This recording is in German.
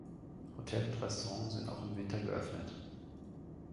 Hotel und Restaurant sind auch im Winter geöffnet.